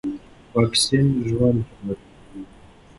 واکسين ژوند ژغوري.